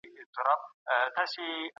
د لغتونو پوهه په ليکلو کي مرسته کوي.